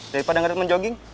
daripada ngeditmen jogging